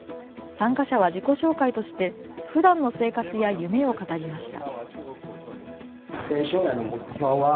参加者は自己紹介としてふだんの生活や夢を語りました。